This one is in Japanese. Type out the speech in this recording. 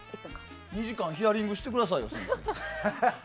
２時間ヒアリングしてくださいよ、先生。